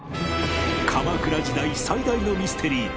鎌倉時代最大のミステリー